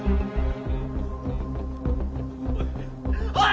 ⁉おい！